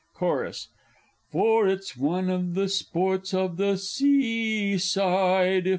Chorus For it's one of the sports of the Sea side! &c.